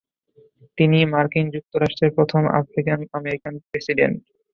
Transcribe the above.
তিনিই মার্কিন যুক্তরাষ্ট্রের প্রথম আফ্রিকান-অ্যামেরিকান প্রেসিডেন্ট।